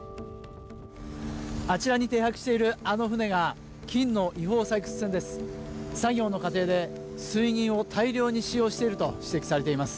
あちらに停泊している、あの船が金の違法採掘船です。